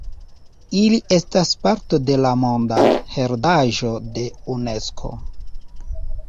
Ili estas parto de la Monda heredaĵo de Unesko.